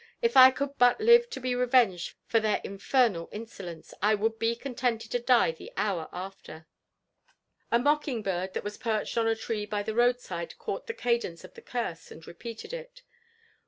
— If I could but live to be revenged for their infernal insolence, I would be contented to die the hour after 1" A mocking bird that was perched on a tree by the road side caught the cadence of the curse, and repeated it.